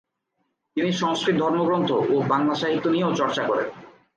তিনি সংস্কৃত ধর্মগ্রন্থ ও বাংলা সাহিত্য নিয়েও চর্চা করেন।